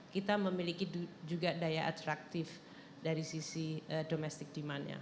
kita memiliki juga daya atraktif dari sisi domestic demand nya